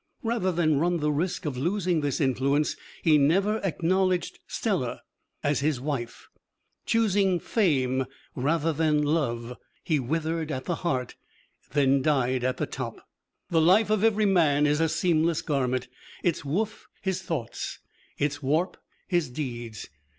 Rather than run the risk of losing this influence he never acknowledged Stella as his wife. Choosing fame rather than love, he withered at the heart, then died at the top. The life of every man is a seamless garment its woof his thoughts, its warp his deeds.